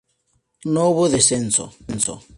No hubo descenso.